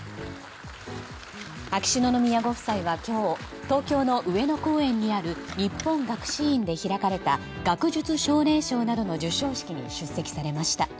秋篠宮ご夫妻は今日東京の上野公園にある日本学士院で開かれた学術奨励賞などの授賞式に出席されました。